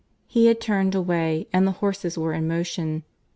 He had turned away, and the horses were in motion.